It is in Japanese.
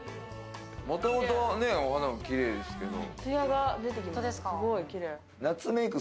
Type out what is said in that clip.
もともとお肌もきれいですけど。